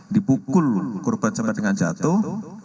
dipukul korban sampai dengan jatuh